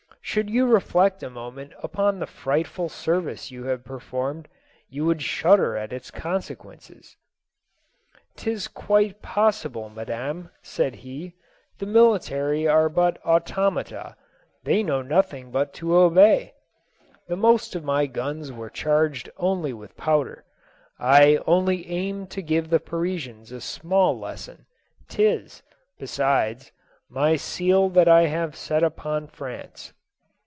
Should you reflect a moment upon the frightful service you have performed, you would shudder at its consequences.' JOSEPHINE. 237 "* "Tis quite possible, madame,' said he. ' The mili tary are but automata — they know nothing but to obey. The most of my guns were charged only with powder. I only aimed to give the Parisians a small lesson — 'tis, besides, my seed that I have set upon France.